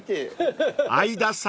［相田さん